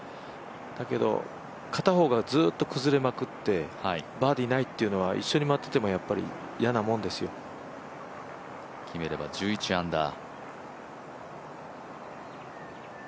だけど片方がずっと崩れまくってバーディーないっていうのは一緒に回っててもやっぱり嫌なもんですよ。決めれば１１アンダー。